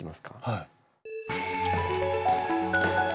はい。